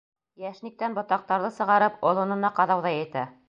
Йәшниктән ботаҡтарҙы сығарып, олонона ҡаҙау ҙа етә.